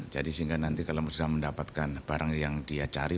jadi sehingga nanti kalau mencoba mendapatkan barang yang dia cari